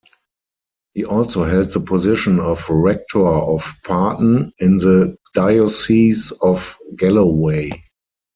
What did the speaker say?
He also held the position of rector of Parton in the diocese of Galloway.